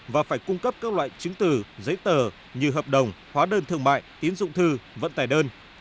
và phải cung cấp các loại chứng từ giấy tờ như hợp đồng hóa đơn thương mại tín dụng thư vận tài đơn